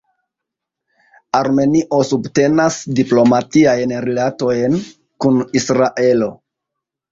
Armenio subtenas diplomatiajn rilatojn kun Israelo.